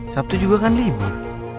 sabtu juga kan libur